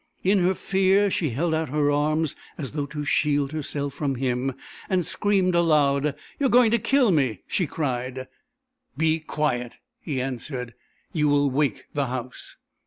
In her fear she held out her arms as though to shield herself from him, and screamed aloud. "You are going to kill me!" she cried. "Be quiet," he answered, "you will wake the house."